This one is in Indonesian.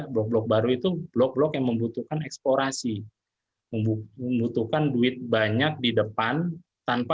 blok blok baru itu blok blok yang membutuhkan eksplorasi membutuhkan duit banyak di depan tanpa